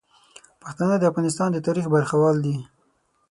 پښتانه د افغانستان د تاریخ برخوال دي.